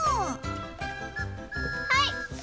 はい。